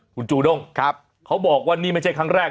คุณจูด้งเขาบอกว่านี่ไม่ใช่ครั้งแรก